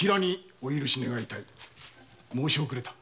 申し遅れた。